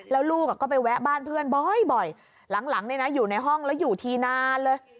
แล้วลูกก็ไปแวะบ้านเพื่อนบ่อยหลังอยู่ในห้องแล้วอยู่ทีนานเลย